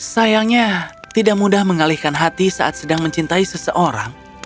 sayangnya tidak mudah mengalihkan hati saat sedang mencintai seseorang